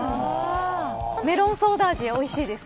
メロンソーダ味おいしいですか。